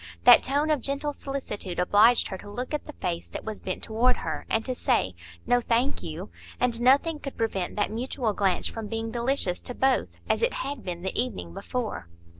That tone of gentle solicitude obliged her to look at the face that was bent toward her, and to say, "No, thank you"; and nothing could prevent that mutual glance from being delicious to both, as it had been the evening before.